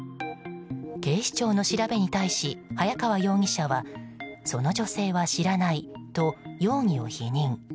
警視庁の調べに対し早川容疑者はその女性は知らないと容疑を否認。